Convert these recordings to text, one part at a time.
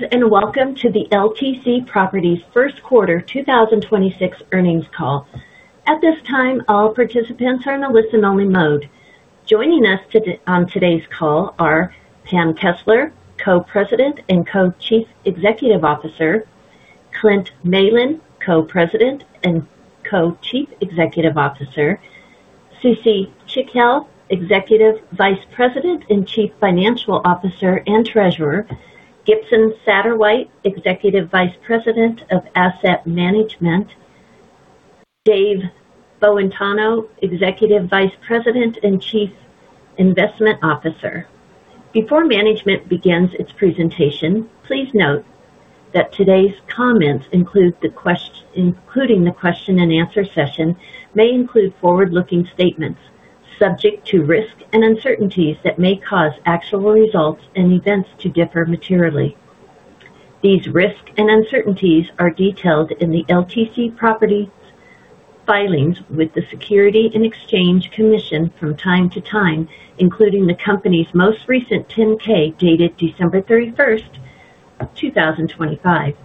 Greetings, and Welcome to the LTC Properties First Quarter 2026 earnings call. At this time, all participants are in a listen only mode. Joining us on today's call are Pam Kessler, Co-President and Co-Chief Executive Officer. Clint Malin, Co-President and Co-Chief Executive Officer. Cece Chikhale, Executive Vice President and Chief Financial Officer and Treasurer. Gibson Satterwhite, Executive Vice President of Asset Management. David Boitano, Executive Vice President and Chief Investment Officer. Before management begins its presentation, please note that today's comments including the question-and-answer session, may include forward-looking statements subject to risks and uncertainties that may cause actual results and events to differ materially. These risks and uncertainties are detailed in the LTC Properties filings with the Securities and Exchange Commission from time to time, including the company's most recent Form 10-K, dated December 31st, 2025.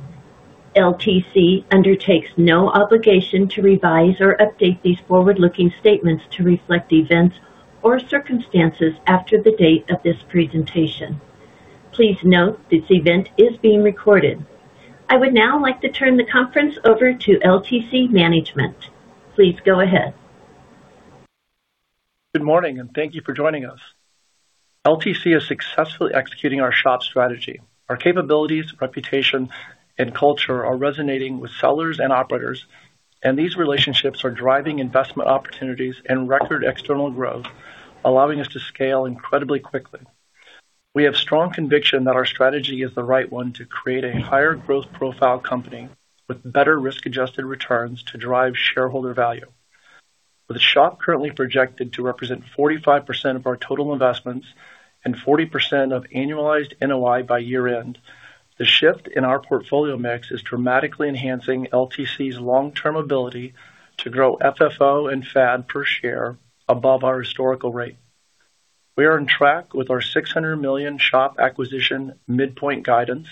LTC undertakes no obligation to revise or update these forward-looking statements to reflect events or circumstances after the date of this presentation. Please note, this event is being recorded. I would now like to turn the conference over to LTC Management. Please go ahead. Good morning, and thank you for joining us. LTC is successfully executing our SHOP strategy. Our capabilities, reputation, and culture are resonating with sellers and operators, and these relationships are driving investment opportunities and record external growth, allowing us to scale incredibly quickly. We have strong conviction that our strategy is the right one to create a higher growth profile company with better risk-adjusted returns to drive shareholder value. With the SHOP currently projected to represent 45% of our total investments and 40% of annualized NOI by year-end, the shift in our portfolio mix is dramatically enhancing LTC's long-term ability to grow FFO and FAD per share above our historical rate. We are on track with our $600 million SHOP acquisition midpoint guidance,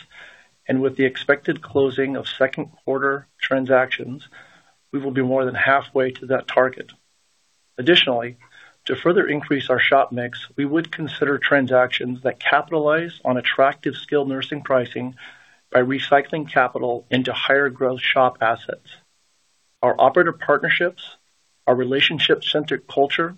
and with the expected closing of second quarter transactions, we will be more than halfway to that target. Additionally, to further increase our SHOP mix, we would consider transactions that capitalize on attractive Skilled Nursing pricing by recycling capital into higher growth SHOP assets. Our operator partnerships, our relationship-centric culture,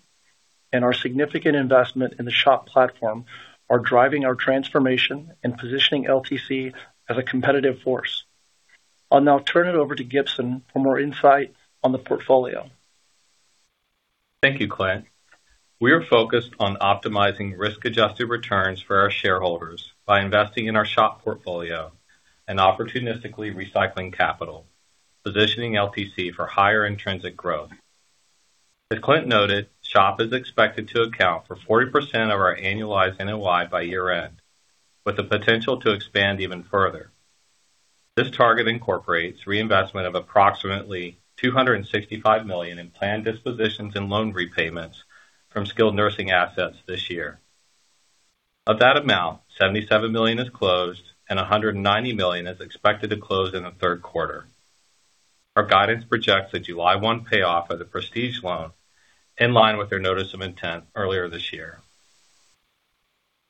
and our significant investment in the SHOP platform are driving our transformation and positioning LTC as a competitive force. I'll now turn it over to Gibson for more insight on the portfolio. Thank you, Clint. We are focused on optimizing risk-adjusted returns for our shareholders by investing in our SHOP portfolio and opportunistically recycling capital, positioning LTC for higher intrinsic growth. As Clint noted, SHOP is expected to account for 40% of its annualized NOI by year-end, with the potential to expand even further. This target incorporates reinvestment of approximately $265 million in planned dispositions and loan repayments from skilled nursing assets this year. Of that amount, $77 million is closed and $190 million is expected to close in the third quarter. Our guidance projects a July 1 payoff of the Prestige loan, in line with their notice of intent earlier this year.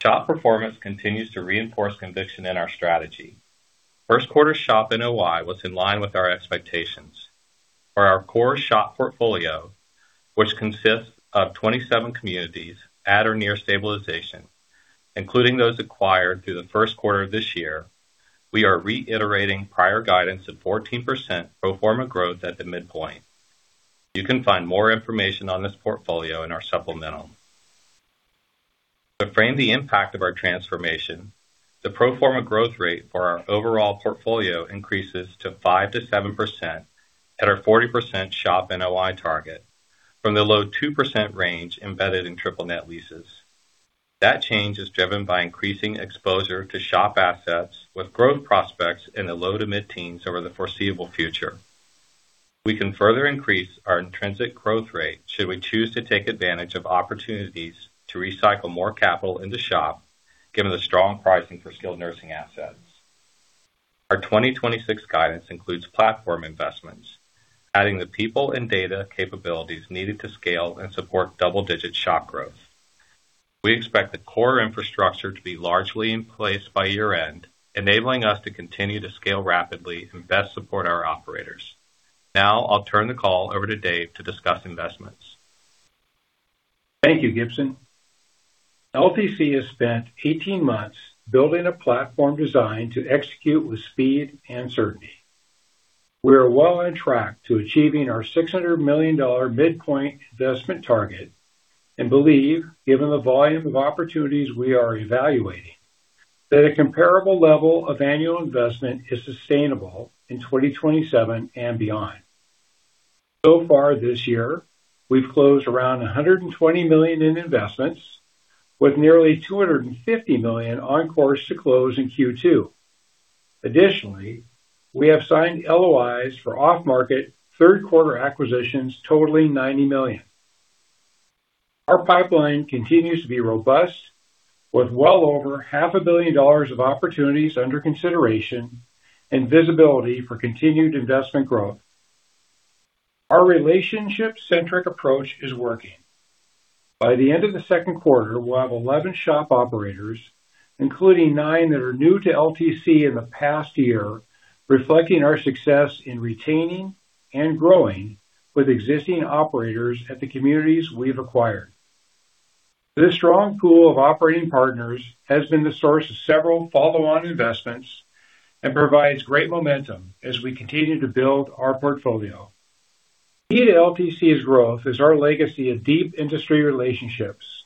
SHOP performance continues to reinforce conviction in our strategy. First quarter SHOP NOI was in line with our expectations. For our core SHOP portfolio, which consists of 27 communities at or near stabilization, including those acquired through the first quarter of this year, we are reiterating prior guidance of 14% pro forma growth at the midpoint. You can find more information on this portfolio in our supplemental. To frame the impact of our transformation, the pro forma growth rate for our overall portfolio increases to 5%-7% at our 40% SHOP NOI target from the low 2% range embedded in triple net leases. That change is driven by increasing exposure to SHOP assets with growth prospects in the low to mid-teens over the foreseeable future. We can further increase our intrinsic growth rate should we choose to take advantage of opportunities to recycle more capital into SHOP, given the strong pricing for Skilled Nursing assets. Our 2026 guidance includes platform investments, adding the people and data capabilities needed to scale and support double-digit SHOP growth. We expect the core infrastructure to be largely in place by year-end, enabling us to continue to scale rapidly and best support our operators. Now, I'll turn the call over to David to discuss investments. Thank you, Gibson. LTC has spent 18 months building a platform designed to execute with speed and certainty. We are well on track to achieving our $600 million midpoint investment target and believe, given the volume of opportunities we are evaluating, that a comparable level of annual investment is sustainable in 2027 and beyond. So far this year, we've closed around $120 million in investments with nearly $250 million on course to close in Q2. Additionally, we have signed LOIs for off-market third quarter acquisitions totaling $90 million. Our pipeline continues to be robust with well over $500 million of opportunities under consideration and visibility for continued investment growth. Our relationship-centric approach is working. By the end of the second quarter, we'll have 11 SHOP operators, including 9 that are new to LTC in the past year, reflecting our success in retaining and growing with existing operators at the communities we've acquired. This strong pool of operating partners has been the source of several follow-on investments and provides great momentum as we continue to build our portfolio. Key to LTC's growth is our legacy of deep industry relationships,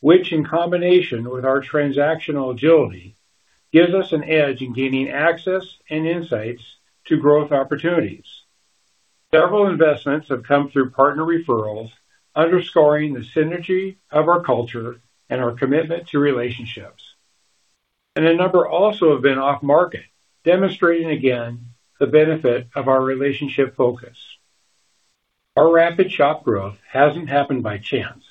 which, in combination with our transactional agility, gives us an edge in gaining access and insights to growth opportunities. Several investments have come through partner referrals, underscoring the synergy of our culture and our commitment to relationships. A number also have been off market, demonstrating again the benefit of our relationship focus. Our rapid SHOP growth hasn't happened by chance.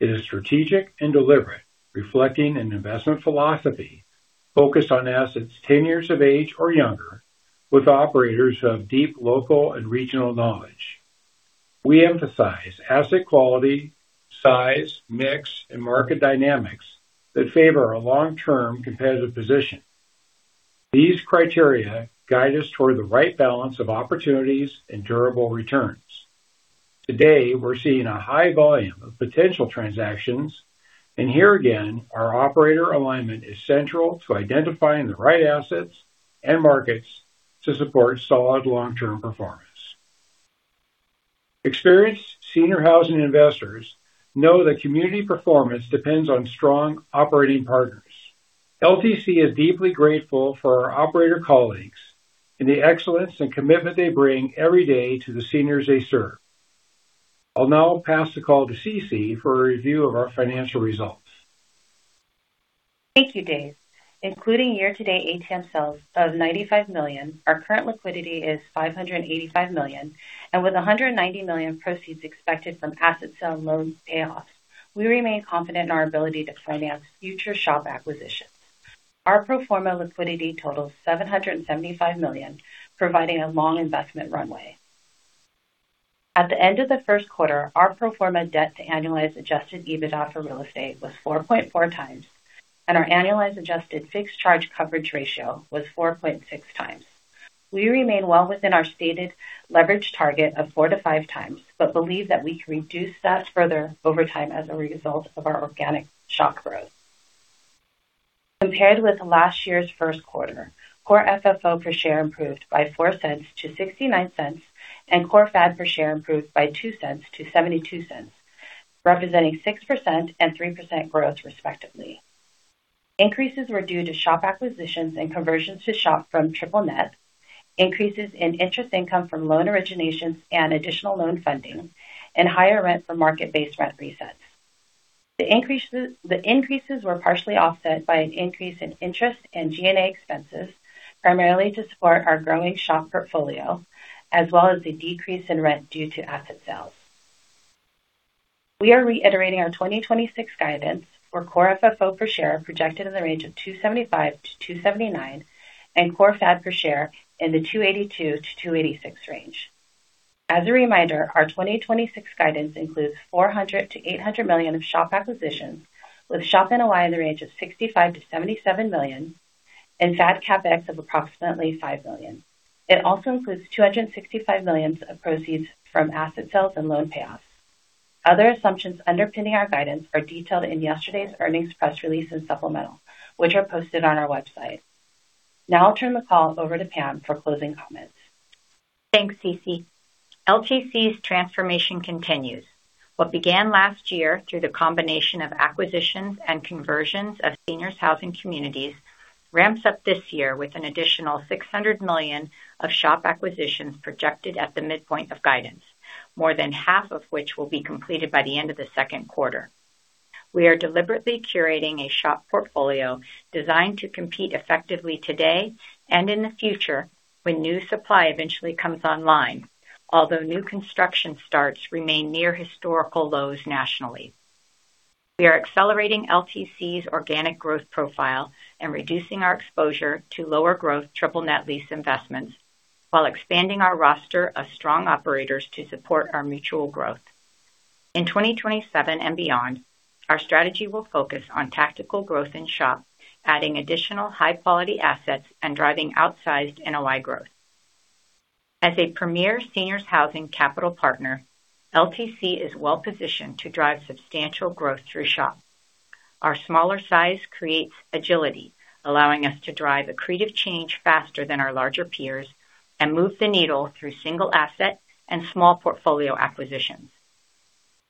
It is strategic and deliberate, reflecting an investment philosophy focused on assets 10 years of age or younger with operators of deep local and regional knowledge. We emphasize asset quality, size, mix, and market dynamics that favor a long-term competitive position. These criteria guide us toward the right balance of opportunities and durable returns. Today, we're seeing a high volume of potential transactions, and here again, our operator alignment is central to identifying the right assets and markets to support solid long-term performance. Experienced senior housing investors know that community performance depends on strong operating partners. LTC is deeply grateful for our operator colleagues and the excellence and commitment they bring every day to the seniors they serve. I'll now pass the call to Cece Chikhale for a review of our financial results. Thank you, David. Including year-to-date ATM sales of $95 million, our current liquidity is $585 million. With $190 million proceeds expected from asset sale loans payoff, we remain confident in our ability to finance future SHOP acquisitions. Our pro forma liquidity totals $775 million, providing a long investment runway. At the end of the first quarter, our pro forma debt to annualized adjusted EBITDA for real estate was 4.4x, and our annualized adjusted fixed charge coverage ratio was 4.6x. We remain well within our stated leverage target of 4x-5x but believe that we can reduce that further over time as a result of our organic SHOP growth. Compared with last year's first quarter, core FFO per share improved by $0.04-$0.69, and core FAD per share improved by $0.02-$0.72, representing 6% and 3% growth, respectively. Increases were due to SHOP acquisitions and conversions to SHOP from Triple Net, increases in interest income from loan originations and additional loan funding, and higher rent from market-based rent resets. The increases were partially offset by an increase in interest and G&A expenses, primarily to support our growing SHOP portfolio, as well as a decrease in rent due to asset sales. We are reiterating our 2026 guidance for core FFO per share, projected in the range of $2.75-$2.79, and core FAD per share in the $2.82-$2.86 range. As a reminder, our 2026 guidance includes $400 million-$800 million of SHOP acquisitions, with SHOP NOI in the range of $65 million-$77 million and FAD CapEx of approximately $5 million. It also includes $265 million of proceeds from asset sales and loan payoffs. Other assumptions underpinning our guidance are detailed in yesterday's earnings press release and supplemental, which are posted on our website. I'll turn the call over to Pam for closing comments. Thanks, Cece. LTC's transformation continues. What began last year through the combination of acquisitions and conversions of seniors housing communities ramps up this year with an additional $600 million of SHOP acquisitions projected at the midpoint of guidance, more than half of which will be completed by the end of the second quarter. We are deliberately curating a SHOP portfolio designed to compete effectively today and in the future when new supply eventually comes online. Although new construction starts remain near historical lows nationally. We are accelerating LTC's organic growth profile and reducing our exposure to lower growth triple net lease investments while expanding our roster of strong operators to support our mutual growth. In 2027 and beyond, our strategy will focus on tactical growth in SHOP, adding additional high-quality assets and driving outsized NOI growth. As a premier seniors housing capital partner, LTC is well positioned to drive substantial growth through SHOP. Our smaller size creates agility, allowing us to drive accretive change faster than our larger peers and move the needle through single asset and small portfolio acquisitions.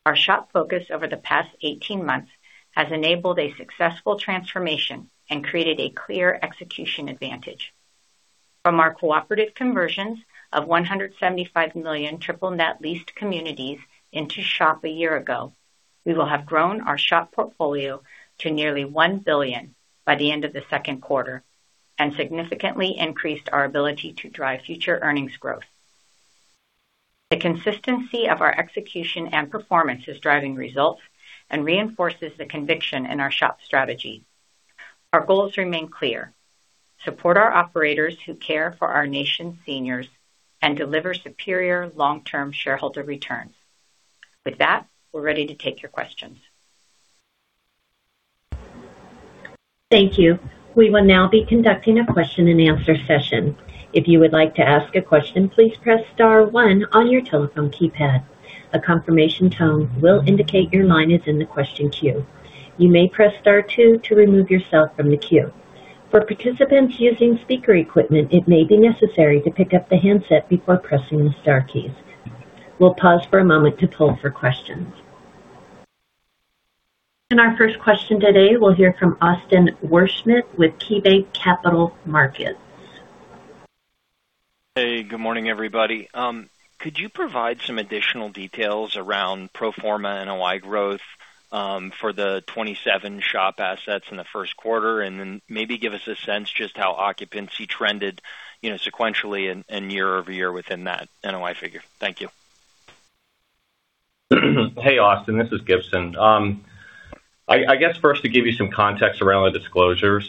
Our SHOP focus over the past 18 months has enabled a successful transformation and created a clear execution advantage. From our cooperative conversions of $175 million Triple Net leased communities into SHOP a year ago, we will have grown our SHOP portfolio to nearly $1 billion by the end of the second quarter. Significantly increased our ability to drive future earnings growth. The consistency of our execution and performance is driving results and reinforces the conviction in our SHOP strategy. Our goals remain clear, support our operators who care for our nation's seniors and deliver superior long-term shareholder returns. With that, we're ready to take your questions. Thank you. We will now be conducting a question and answer session. If you would like to ask a question, please press star one on your telephone keypad. A confirmation tone will indicate your line is in the question queue. You may press star two to remove yourself from the queue. For participants using speaker equipment, it may be necessary to pick up the handset before pressing the star keys. We'll pause for a moment to poll for questions. Our first question today, we'll hear from Austin Wurschmidt with KeyBanc Capital Markets. Hey, good morning, everybody. Could you provide some additional details around pro forma NOI growth for the 27 SHOP assets in the first quarter, and then maybe give us a sense just how occupancy trended, you know, sequentially and year-over-year within that NOI figure? Thank you. Hey, Austin, this is Gibson. I guess first to give you some context around the disclosure.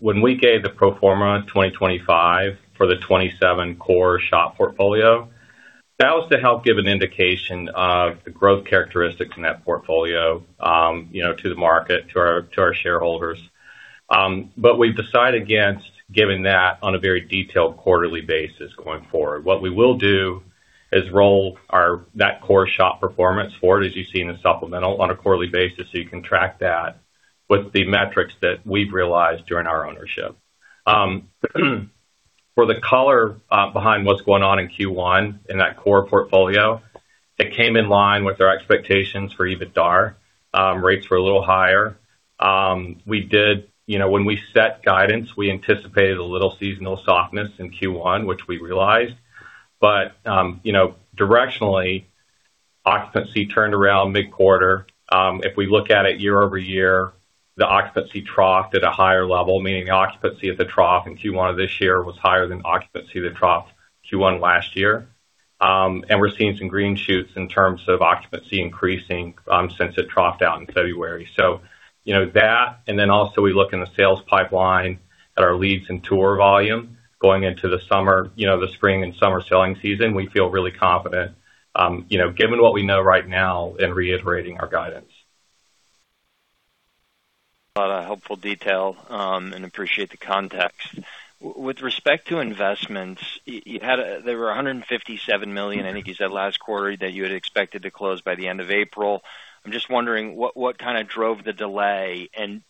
When we gave the pro forma 2025 for the 27 core SHOP portfolio, that was to help give an indication of the growth characteristics in that portfolio, you know, to our shareholders. We've decided against giving that on a very detailed quarterly basis going forward. What we will do is roll that core SHOP performance forward, as you see in the supplemental on a quarterly basis, so you can track that with the metrics that we've realized during our ownership. For the color behind what's going on in Q1 in that core portfolio, it came in line with our expectations for EBITDAR. Rates were a little higher. When we set guidance, we anticipated a little seasonal softness in Q1, which we realized. Directionally, occupancy turned around mid-quarter. If we look at it year-over-year, the occupancy troughed at a higher level, meaning the occupancy at the trough in Q1 of this year was higher than occupancy that troughed Q1 last year. We're seeing some green shoots in terms of occupancy increasing since it troughed out in February. That and then also we look in the sales pipeline at our leads and tour volume going into the summer, the spring and summer selling season, we feel really confident given what we know right now in reiterating our guidance. A lot of helpful detail, and appreciate the context. With respect to investments, there were $157 million, I think you said last quarter, that you had expected to close by the end of April. I'm just wondering what kind of drove the delay?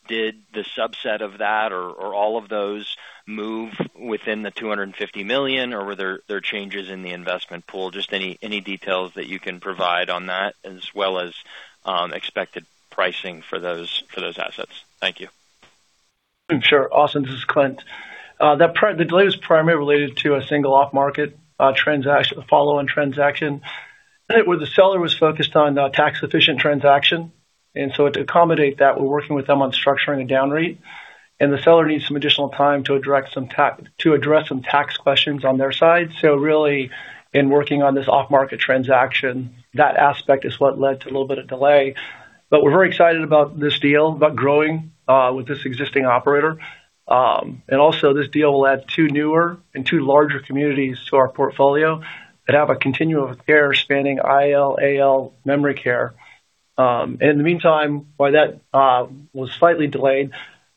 Did the subset of that or all of those move within the $250 million, or were there changes in the investment pool? Just any details that you can provide on that as well as expected pricing for those assets. Thank you. Sure. Austin Wurschmidt, this is Clint Malin. The delay was primarily related to a single off-market transaction, follow-on transaction. Where the seller was focused on a tax-efficient transaction. To accommodate that, we're working with them on structuring a DownREIT, and the seller needs some additional time to address some tax questions on their side. Really, in working on this off-market transaction, that aspect is what led to a little bit of delay. We're very excited about this deal, about growing with this existing operator. Also this deal will add two newer and two larger communities to our portfolio that have a continuum of care spanning IL, AL, Memory Care. In the meantime, while that was slightly delayed,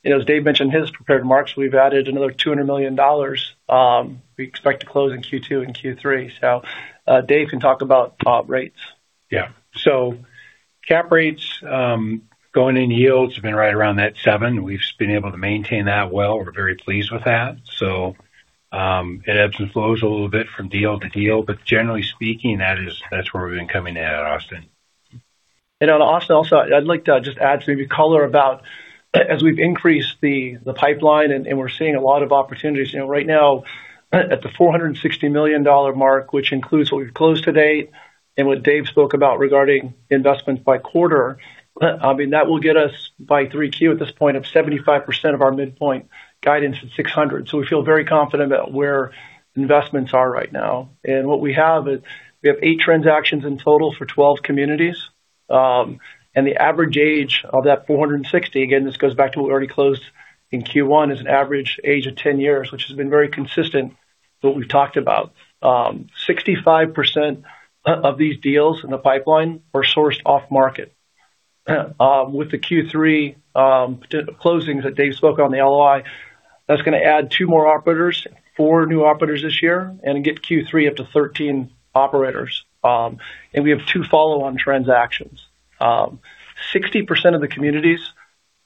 you know, as David mentioned in his prepared remarks, we've added another $200 million, we expect to close in Q2 and Q3. David can talk about top rates. Yeah. Cap rates going into yields have been right around net 7. We've been able to maintain that well. We're very pleased with that. It ebbs and flows a little bit from deal to deal, but generally speaking, that's where we've been coming in at, Austin. Austin Wurschmidt, also, I'd like to just add maybe color about as we've increased the pipeline and we're seeing a lot of opportunities. Right now, at the $460 million mark, which includes what we've closed to date and what David spoke about regarding investments by quarter, that will get us by 3Q at this point of 75% of our midpoint guidance at 600. We feel very confident about where investments are right now. What we have is we have eight transactions in total for 12 communities. The average age of that 460, again, this goes back to what we already closed in Q1, is an average age of 10 years, which has been very consistent to what we've talked about. 65% of these deals in the pipeline were sourced off market. With the Q3 closings that David Boitano spoke on the LOI, that's gonna add two more operators, four new operators this year, and get Q3 up to 13 operators. We have two follow-on transactions. 60% of the communities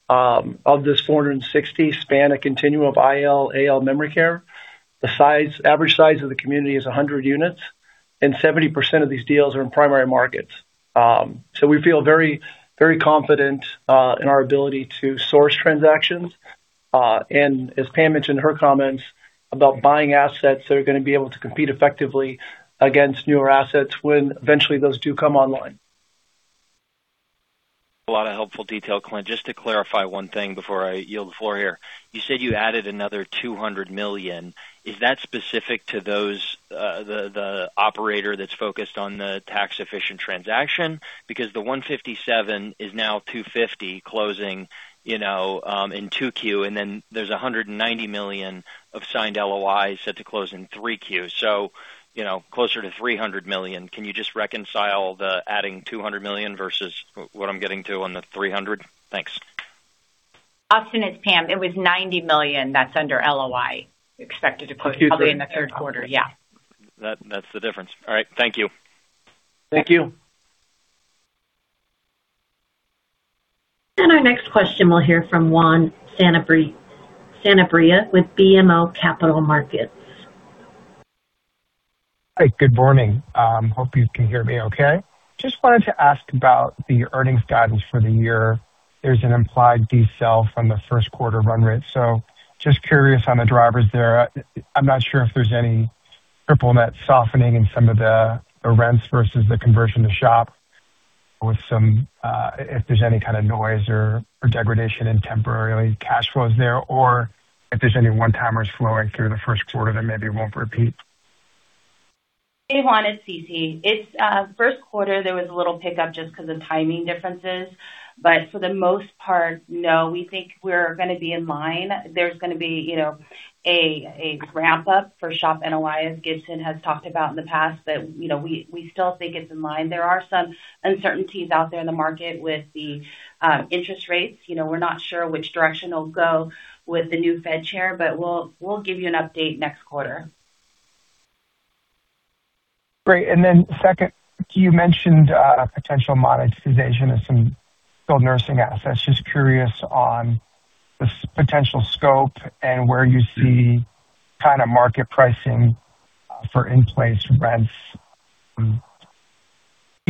of this 460 span a continuum of IL, AL, Memory Care. Average size of the community is 100 units, 70% of these deals are in primary markets. We feel very, very confident in our ability to source transactions. As Pam mentioned in her comments about buying assets that are gonna be able to compete effectively against newer assets when eventually those do come online. A lot of helpful detail, Clint. Just to clarify one thing before I yield the floor here. You said you added another $200 million. Is that specific to those, the operator that's focused on the tax efficient transaction? Because the $157 is now $250 closing, you know, in 2Q, and then there's $190 million of signed LOIs set to close in 3Q. You know, closer to $300 million. Can you just reconcile the adding $200 million versus what I'm getting to on the $300? Thanks. Austin, it's Pam. It was $90 million that's under LOI expected to close probably in the third quarter. Yeah. That's the difference. All right. Thank you. Thank you. Our next question we'll hear from Juan Sanabria with BMO Capital Markets. Hi, good morning. Hope you can hear me okay. Just wanted to ask about the earnings guidance for the year. There's an implied deceleration from the first quarter run rate. Just curious on the drivers there. I'm not sure if there's any triple net softening in some of the rents versus the conversion to SHOP with some, if there's any kind of noise or degradation in temporary cash flows there, or if there's any one-timers flowing through the first quarter that maybe won't repeat. Hey, Juan, it's Cece. It's first quarter, there was a little pickup just because of timing differences. For the most part, no, we think we're gonna be in line. There's gonna be, you know, a ramp up for SHOP NOI, as Gibson has talked about in the past, you know, we still think it's in line. There are some uncertainties out there in the market with the interest rates. You know, we're not sure which direction it'll go with the new Federal Reserve Chairman, we'll give you an update next quarter. Great. Second, you mentioned potential monetization of some Skilled Nursing assets. Just curious on the potential scope and where you see kind of market pricing for in-place rents.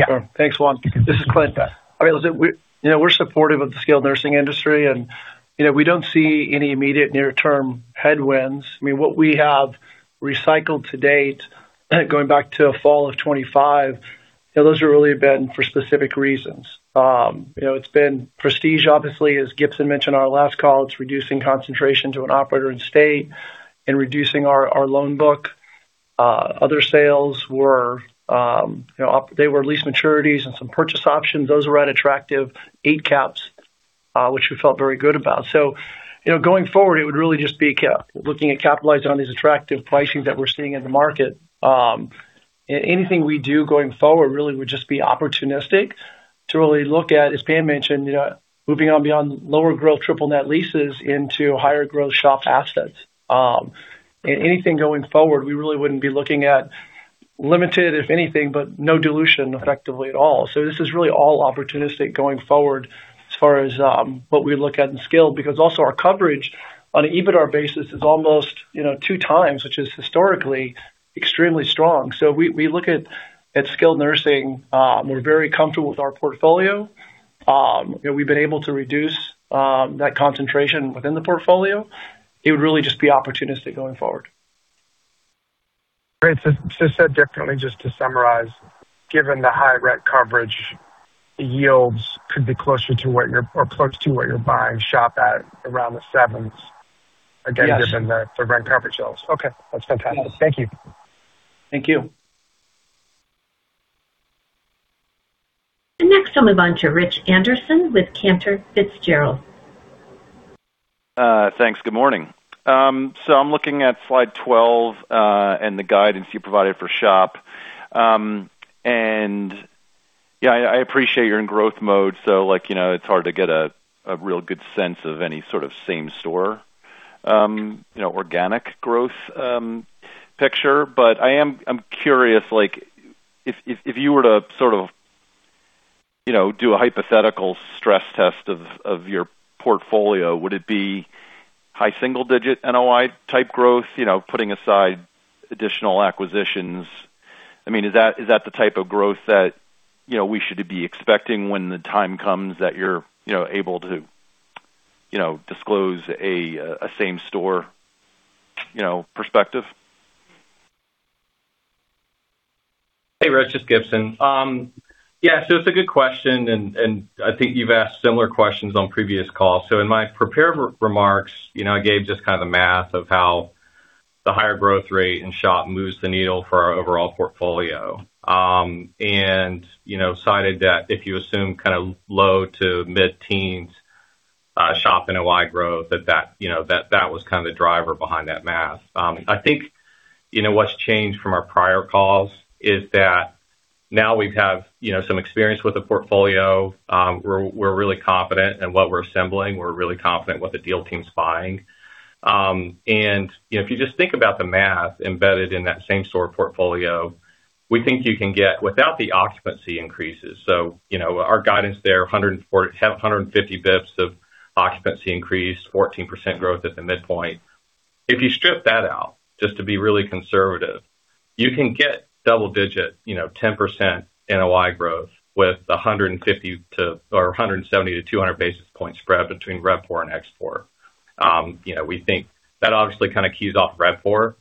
Sure. Thanks, Juan. This is Clint Malin. I mean, listen, we, you know, we're supportive of the Skilled Nursing industry, and, you know, we don't see any immediate near-term headwinds. I mean, what we have recycled to date, going back to fall of 25, those are really been for specific reasons. You know, it's been Prestige, obviously, as Gibson Satterwhite mentioned on our last call. It's reducing concentration to an operator in state and reducing our loan book. Other sales were, you know, they were lease maturities and some purchase options. Those were at attractive eight caps, which we felt very good about. You know, going forward, it would really just be looking at capitalizing on these attractive pricing that we're seeing in the market. Anything we do going forward really would just be opportunistic to really look at, as Pam mentioned, you know, moving on beyond lower growth triple net leases into higher growth SHOP assets. Anything going forward, we really wouldn't be looking at limited, if anything, but no dilution effectively at all. This is really all opportunistic going forward as far as what we look at in Skilled, because also our coverage on an EBITDAR basis is almost, you know, 2x, which is historically extremely strong. We look at Skilled Nursing, we're very comfortable with our portfolio. You know, we've been able to reduce that concentration within the portfolio. It would really just be opportunistic going forward. Great. Differently, just to summarize, given the high rent coverage, the yields could be closer to or close to what you're buying SHOP at around the sevens. Yes. Again, given the rent coverage yields. Okay. That's fantastic. Yes. Thank you. Thank you. Next, I'll move on to Richard Anderson with Cantor Fitzgerald. Thanks. Good morning. I'm looking at slide 12, and the guidance you provided for SHOP. Yeah, I appreciate you're in growth mode, so like, you know, it's hard to get a real good sense of any sort of same store, you know, organic growth picture. I'm curious, like if, if you were to sort of, you know, do a hypothetical stress test of your portfolio, would it be high single digit NOI type growth? You know, putting aside additional acquisitions. I mean, is that the type of growth that, you know, we should be expecting when the time comes that you're, you know, able to, you know, disclose a same store, you know, perspective? Hey, Richard. It's Gibson. It's a good question, and I think you've asked similar questions on previous calls. In my prepared remarks, you know, I gave just kind of the math of how the higher growth rate in SHOP moves the needle for our overall portfolio. You know, cited that if you assume kind of low to mid-10s SHOP NOI growth, you know, that was kind of the driver behind that math. I think, you know, what's changed from our prior calls is that now we have, you know, some experience with the portfolio. We're really confident in what we're assembling. We're really confident what the deal team's buying. You know, if you just think about the math embedded in that same store portfolio, we think you can get without the occupancy increases. You know, our guidance there, 150 basis points of occupancy increase, 14% growth at the midpoint. If you strip that out, just to be really conservative, you can get double digit, you know, 10% NOI growth with a 170-200 basis points spread between RevPOR and ExpPOR. you know, we think that obviously kind of keys off RevPOR.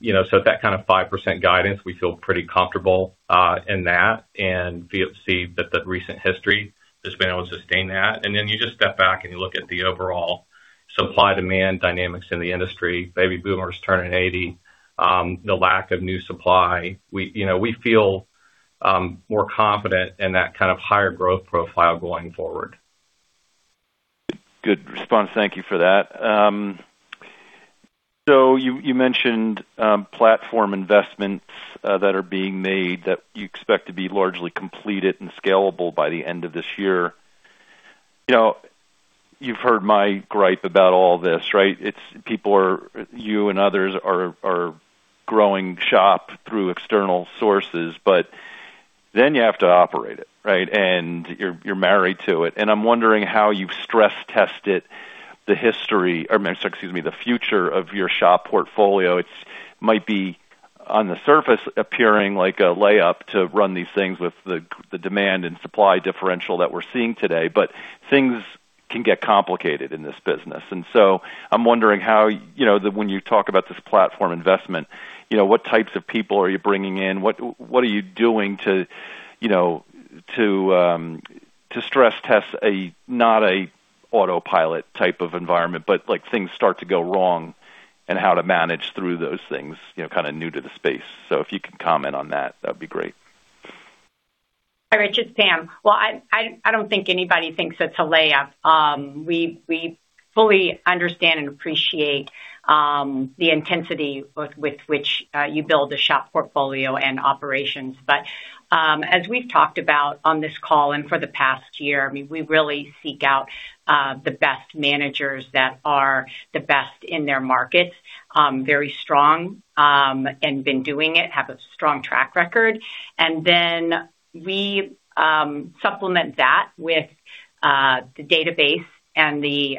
you know, that kind of 5% guidance, we feel pretty comfortable in that. We have seen that the recent history has been able to sustain that. You just step back and you look at the overall supply-demand dynamics in the industry, baby boomers turning 80, the lack of new supply. We, you know, we feel more confident in that kind of higher growth profile going forward. Good response. Thank you for that. You, you mentioned platform investments that are being made that you expect to be largely completed and scalable by the end of this year. You know, you've heard my gripe about all this, right? It's you and others are growing SHOP through external sources, you have to operate it, right? You're married to it. I'm wondering how you've stress tested the history or, excuse me, the future of your SHOP portfolio. It's might be on the surface appearing like a layup to run these things with the demand and supply differential that we're seeing today, things can get complicated in this business. I'm wondering how, you know, when you talk about this platform investment, you know, what types of people are you bringing in? What are you doing to, you know, to stress test a, not a autopilot type of environment, but like things start to go wrong and how to manage through those things, you know, kind of new to the space? If you could comment on that'd be great. Hi, Rich, it's Pam Kessler. Well, I don't think anybody thinks it's a layup. We fully understand and appreciate the intensity with which you build a SHOP portfolio and operations. As we've talked about on this call and for the past year, I mean, we really seek out the best managers that are the best in their markets, very strong and been doing it, have a strong track record. We supplement that with the database and the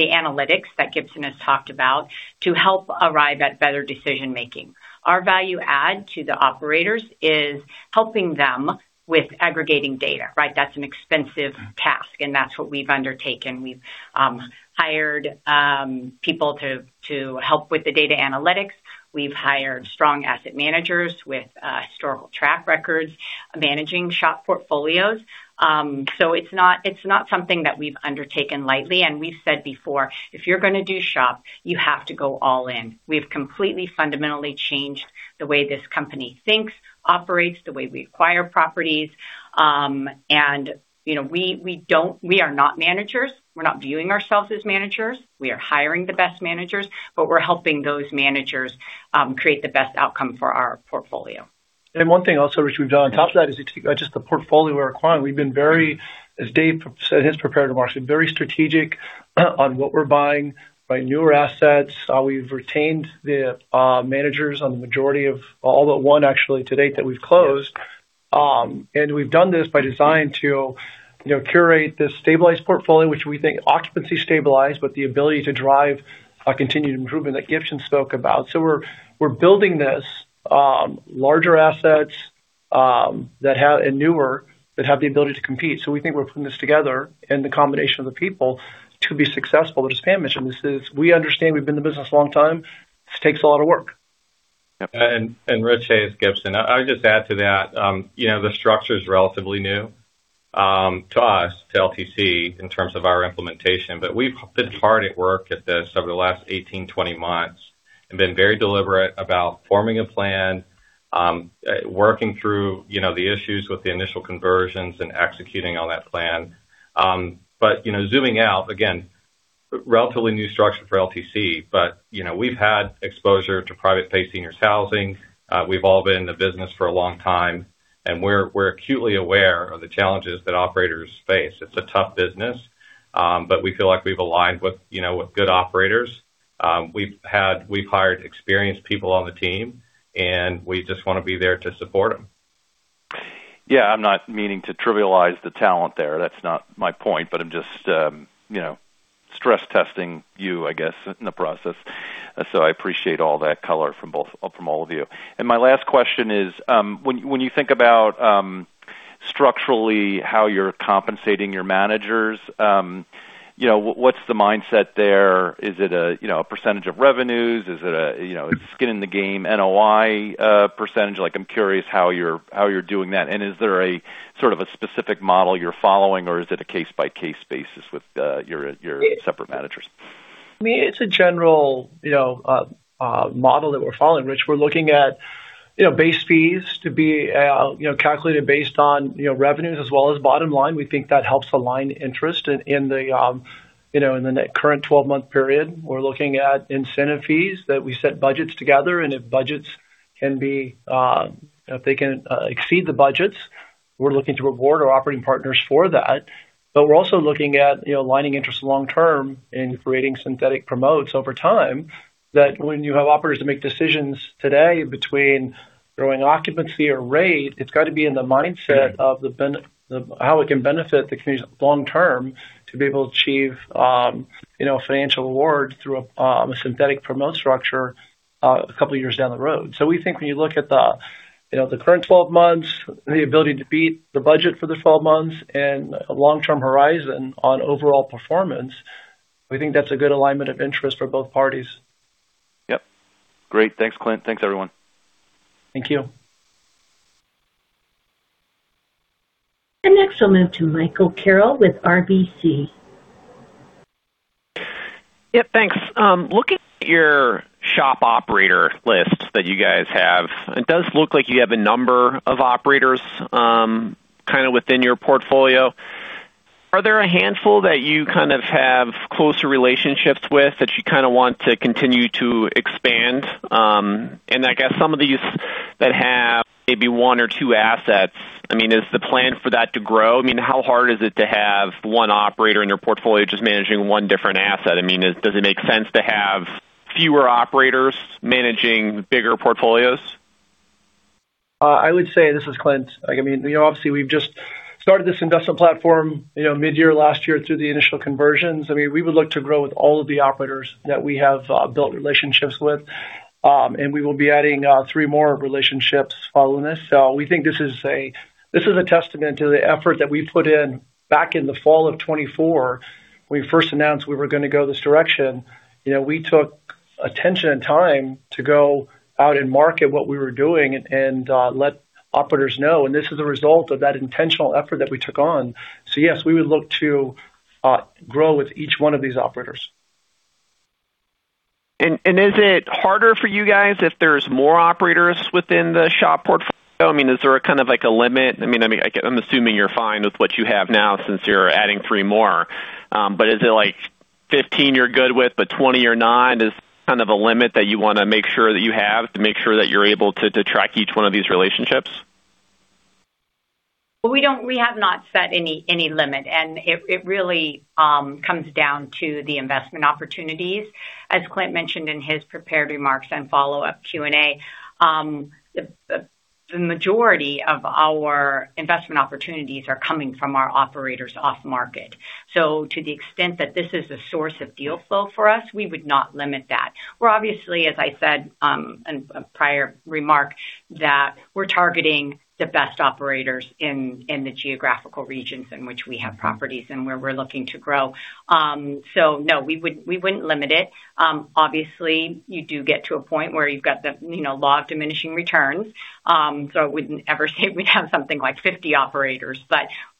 analytics that Gibson has talked about to help arrive at better decision-making. Our value add to the operators is helping them with aggregating data, right? That's an expensive task, and that's what we've undertaken. We've hired people to help with the data analytics. We've hired strong asset managers with historical track records managing SHOP portfolios. It's not something that we've undertaken lightly. We've said before, if you're gonna do SHOP, you have to go all in. We've completely fundamentally changed the way this company thinks, operates, the way we acquire properties. You know, we are not managers. We're not viewing ourselves as managers. We are hiring the best managers, we're helping those managers create the best outcome for our portfolio. One thing also, Richard, we've done on top of that is just the portfolio we're acquiring. We've been very, as David said in his prepared remarks, very strategic on what we're buying newer assets. We've retained the managers on the majority of all but 1 actually to date that we've closed. We've done this by design to, you know, curate this stabilized portfolio, which we think occupancy stabilized, but the ability to drive a continued improvement that Gibson spoke about. We're building this larger assets that have and newer, that have the ability to compete. We think we're putting this together and the combination of the people to be successful. As Pam Kessler mentioned, this is we understand we've been in the business a long time. This takes a lot of work. Richard, hey, it's Gibson. I'd just add to that, you know, the structure is relatively new to us, to LTC in terms of our implementation. We've been hard at work at this over the last 18, 20 months and been very deliberate about forming a plan, working through, you know, the issues with the initial conversions and executing on that plan. Zooming out, again, relatively new structure for LTC, but, you know, we've had exposure to private pay senior housing. We've all been in the business for a long time, and we're acutely aware of the challenges that operators face. It's a tough business, but we feel like we've aligned with, you know, with good operators. We've hired experienced people on the team, and we just wanna be there to support them. Yeah. I'm not meaning to trivialize the talent there. That's not my point. I'm just, you know, stress testing you, I guess, in the process. I appreciate all that color from all of you. My last question is, when you think about structurally how you're compensating your managers, you know, what's the mindset there? Is it a, you know, a percentage of revenues? Is it a, you know, skin in the game NOI percentage? I'm curious how you're doing that, and is there a sort of a specific model you're following, or is it a case-by-case basis with your separate managers? I mean, it's a general, you know, model that we're following, Rich. We're looking at, you know, base fees to be, you know, calculated based on, you know, revenues as well as bottom line. We think that helps align interest in the, you know, in the net current 12-month period. We're looking at incentive fees that we set budgets together. If budgets can be, if they can exceed the budgets, we're looking to reward our operating partners for that. We're also looking at, you know, aligning interests long term and creating synthetic promotes over time, that when you have operators to make decisions today between growing occupancy or rate, it's got to be in the mindset of how it can benefit the community long term to be able to achieve, you know, financial rewards through a synthetic promote structure two years down the road. We think when you look at You know, the current 12 months, the ability to beat the budget for the 12 months and a long-term horizon on overall performance, we think that's a good alignment of interest for both parties. Yep. Great. Thanks, Clint. Thanks, everyone. Thank you. Next, we'll move to Michael Carroll with RBC. Yeah, thanks. Looking at your SHOP operator list that you guys have, it does look like you have a number of operators, kind of within your portfolio. Are there a handful that you kind of have closer relationships with that you kinda want to continue to expand? I guess some of these that have maybe one or two assets, I mean, is the plan for that to grow? I mean, how hard is it to have one operator in your portfolio just managing one different asset? I mean, does it make sense to have fewer operators managing bigger portfolios? I would say, this is Clint, like, I mean, you know, obviously, we've just started this investment platform, you know, midyear last year through the initial conversions. I mean, we would look to grow with all of the operators that we have built relationships with. We will be adding three more relationships following this. We think this is a, this is a testament to the effort that we put in back in the fall of 2024 when we first announced we were gonna go this direction. You know, we took attention and time to go out and market what we were doing and let operators know, and this is a result of that intentional effort that we took on. Yes, we would look to grow with each one of these operators. Is it harder for you guys if there's more operators within the SHOP portfolio? I mean, is there a kind of like a limit? I mean, I get I'm assuming you're fine with what you have now since you're adding three more. Is it like 15 you're good with, but 20 you're not? Is there kind of a limit that you want to make sure that you have to make sure that you're able to track each one of these relationships? We have not set any limit. It really comes down to the investment opportunities. As Clint mentioned in his prepared remarks and follow-up Q&A, the majority of our investment opportunities are coming from our operators off market. To the extent that this is a source of deal flow for us, we would not limit that. We're obviously, as I said, in a prior remark, that we're targeting the best operators in the geographical regions in which we have properties and where we're looking to grow. No, we wouldn't limit it. Obviously, you do get to a point where you've got the, you know, law of diminishing returns. I wouldn't ever say we'd have something like 50 operators.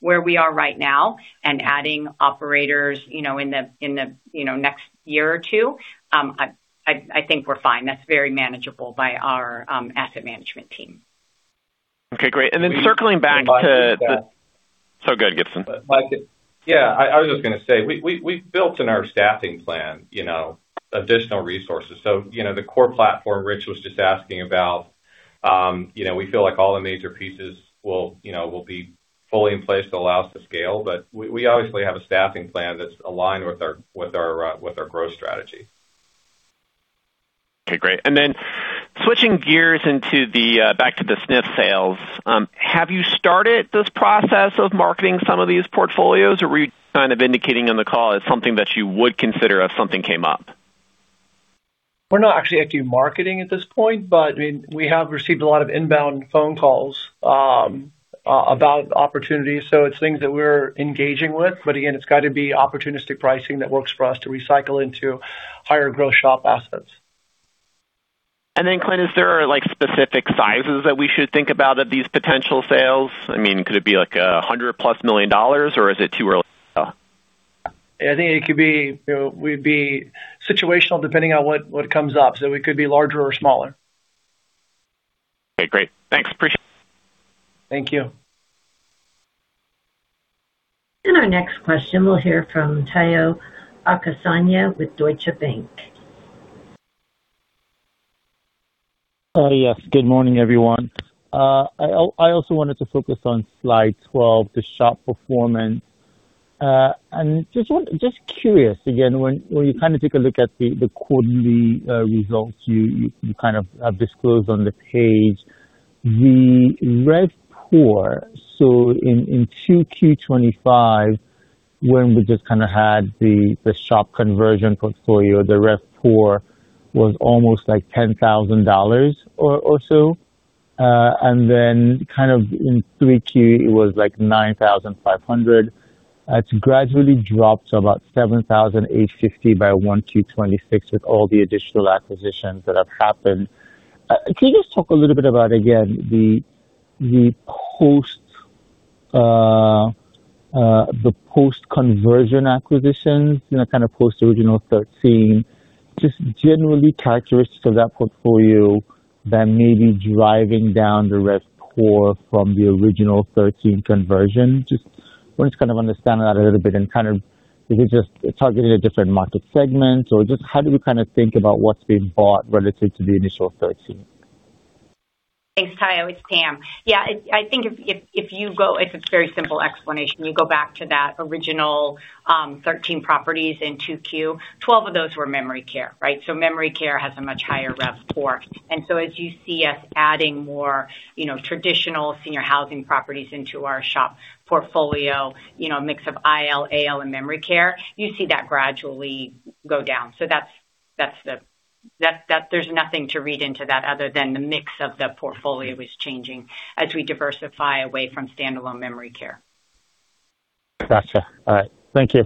Where we are right now and adding operators, you know, in the, in the, you know, next year or two, I think we're fine. That's very manageable by our asset management team. Okay, great. circling back to the- If I could just add. Go ahead, Gibson. I was just gonna say, we've built in our staffing plan, you know, additional resources. You know, the core platform Richard was just asking about, you know, we feel like all the major pieces will, you know, be fully in place to allow us to scale. We obviously have a staffing plan that's aligned with our, with our growth strategy. Okay, great. Switching gears into the back to the SNF sales, have you started this process of marketing some of these portfolios? Were you kind of indicating on the call it's something that you would consider if something came up? We're not actually marketing at this point. I mean, we have received a lot of inbound phone calls about opportunities, so it's things that we're engaging with. Again, it's got to be opportunistic pricing that works for us to recycle into higher growth SHOP assets. Clint, is there like specific sizes that we should think about of these potential sales? I mean, could it be like +$100 million, or is it too early to tell? I think it could be You know, we'd be situational depending on what comes up, so it could be larger or smaller. Okay, great. Thanks. Appreciate it. Thank you. Our next question we'll hear from Omotayo Okusanya with Deutsche Bank. Yes, good morning, everyone. I also wanted to focus on slide 12, the SHOP performance. Just curious again, when you kind of take a look at the quarterly results, you kind of have disclosed on the page the RevPOR. In 2Q 2025, when we just kind of had the SHOP conversion portfolio, the RevPOR was almost like $10,000 or so. Then kind of in 3Q, it was like $9,500. It's gradually dropped to about $7,850 by 1Q 2026 with all the additional acquisitions that have happened. Can you just talk a little bit about, again, the post, the post-conversion acquisitions, you know, kind of post original 13, just generally characteristics of that portfolio that may be driving down the RevPOR from the original 13 conversion? Just want to kind of understand that a little bit and kind of is it just targeting a different market segment, or just how do you kind of think about what's being bought relative to the initial 13? Thanks, Tayo. It's Pam. Yeah, I think it's a very simple explanation. You go back to that original 13 properties in 2Q. 12 of those were Memory Care, right? Memory Care has a much higher RevPOR. As you see us adding more, you know, traditional seniors housing properties into our SHOP portfolio, you know, a mix of IL, AL, and Memory Care, you see that gradually go down. There's nothing to read into that other than the mix of the portfolio is changing as we diversify away from standalone Memory Care. Gotcha. All right. Thank you.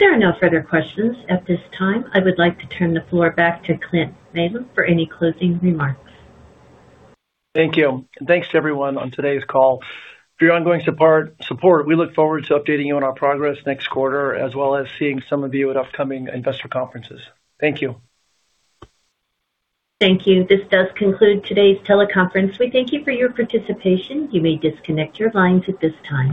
There are no further questions at this time. I would like to turn the floor back to Clint Malin for any closing remarks. Thank you. Thanks to everyone on today's call for your ongoing support. We look forward to updating you on our progress next quarter, as well as seeing some of you at upcoming investor conferences. Thank you. Thank you. This does conclude today's teleconference. We thank you for your participation. You may disconnect your lines at this time.